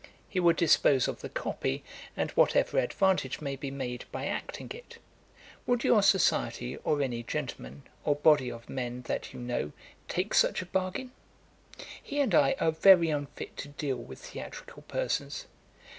He would dispose of the copy, and whatever advantage may be made by acting it. Would your society, or any gentleman, or body of men that you know, take such a bargain? He and I are very unfit to deal with theatrical persons.